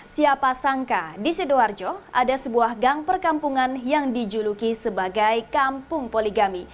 siapa sangka di sidoarjo ada sebuah gang perkampungan yang dijuluki sebagai kampung poligami